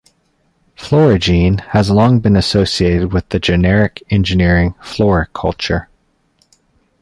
Florigene has long been associated with genetic engineering floriculture.